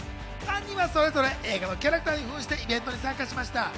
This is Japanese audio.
３人はそれぞれ映画のキャラクターに扮してイベントに参加しました。